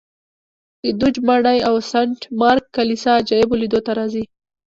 د دوج ماڼۍ او سنټ مارک کلیسا عجایبو لیدو ته راځي